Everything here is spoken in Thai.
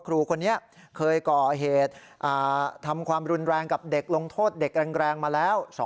ครูคนนี้เคยก่อเหตุทำความรุนแรงกับเด็กลงโทษเด็กแรงมาแล้ว